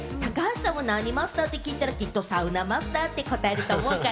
高橋さんは何マスターって聞いたら、サウナマスターって答えると思うから。